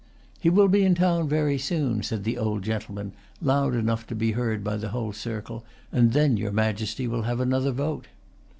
"He will be in town very soon," said the old gentleman, loud enough to be heard by the whole circle, "and then your Majesty will have another vote."